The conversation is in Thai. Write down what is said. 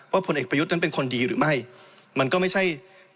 ผลเอกประยุทธ์นั้นเป็นคนดีหรือไม่มันก็ไม่ใช่